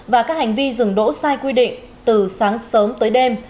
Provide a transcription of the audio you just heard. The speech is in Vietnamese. và các hành vi dừng đỗ sai quy định từ sáng sớm tới đêm